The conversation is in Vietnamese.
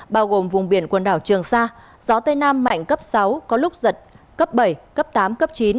bao gồm vùng biển quần đảo trường sa gió tây nam mạnh cấp sáu có lúc giật cấp bảy cấp tám cấp chín